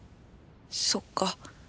そっか。